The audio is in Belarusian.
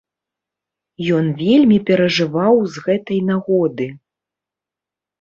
Ён вельмі перажываў з гэтай нагоды.